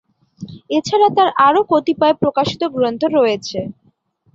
এছাড়া তার আরো কতিপয় প্রকাশিত গ্রন্থ রয়েছে।